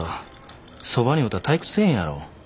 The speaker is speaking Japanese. そばにおったら退屈せえへんやろ。